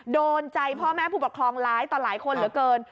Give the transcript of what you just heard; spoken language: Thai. โดนใจพ่อแม่ผู้ปกครองร้ายต่อหลายคนเหลือเกิน